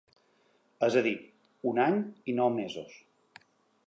És a dir, un any i nou mesos.